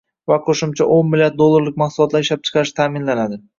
va qo‘shimcha o'n milliard dollarlik mahsulotlar ishlab chiqarish ta’minlanadi.